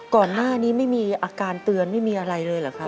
ก่อนหน้านี้ไม่มีอาการเตือนไม่มีอะไรเลยเหรอครับ